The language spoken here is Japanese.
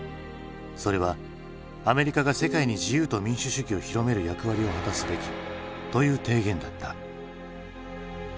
それは「アメリカが世界に自由と民主主義を広める役割を果たすべき」という提言だった。